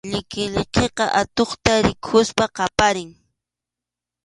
Liqiliqiqa atuqta rikuspas qaparin.